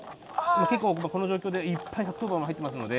結構この状況でいっぱい１１０番が入ってますので。